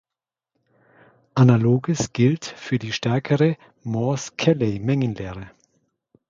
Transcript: Analoges gilt für die stärkere Morse-Kelley-Mengenlehre.